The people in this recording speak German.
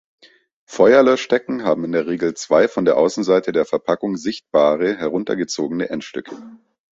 Feuerlöschdecken haben in der Regel zwei von der Außenseite der Verpackung sichtbare heruntergezogene Endstücke.